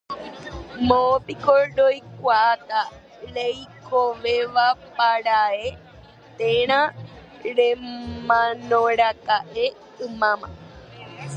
moõpiko roikuaáta reikovevápara'e térã remanoraka'e ymáma